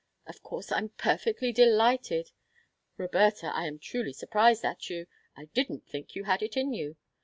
Of course, I'm perfectly delighted. Roberta, I am truly surprised at you; I didn't think you had it in you.